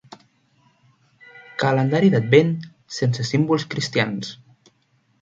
Calendari d'Advent sense símbols cristians.